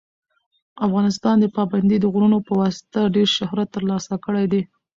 افغانستان د پابندي غرونو په واسطه ډېر شهرت ترلاسه کړی دی.